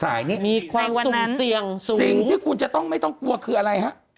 สายนี้สิ่งที่คุณจะไม่ต้องกลัวคืออะไรครับ